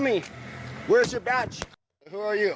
หรอบอกฉันแบบไหน